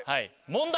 問題